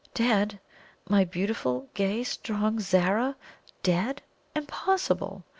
Dead? My beautiful, gay, strong Zara DEAD? Impossible!